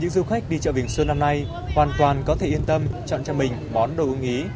du khách đi chợ vỉnh xuân năm nay hoàn toàn có thể yên tâm chọn cho mình món đồ ứng ý